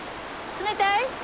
冷たい？